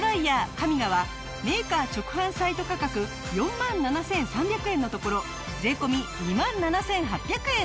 ＫＡＭＩＧＡはメーカー直販サイト価格４万７３００円のところ税込２万７８００円。